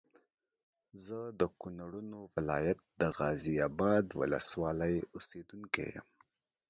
زه د کونړونو ولايت د غازي اباد ولسوالۍ اوسېدونکی یم